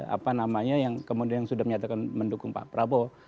apa namanya yang kemudian sudah menyatakan mendukung pak prabowo